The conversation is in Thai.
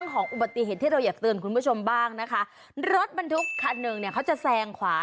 ของอุบัติเหตุที่เราอยากเตือนคุณผู้ชมบ้างนะคะรถบรรทุกคันหนึ่งเนี่ยเขาจะแซงขวา